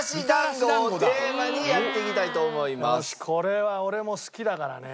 これは俺も好きだからね。